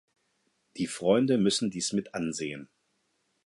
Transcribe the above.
Die Freunde müssen dies mitansehen.